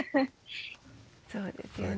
そうですよね